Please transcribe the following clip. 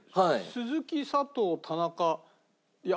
鈴木佐藤田中山